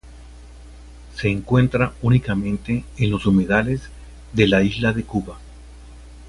Se encuentra únicamente en los humedales de la isla de Cuba.